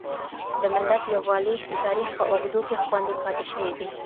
د ملت يووالی د تاريخ په اوږدو کې خوندي پاتې شوی دی.